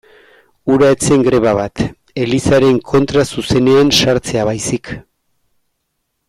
Hura ez zen greba bat, Elizaren kontra zuzenean sartzea baizik.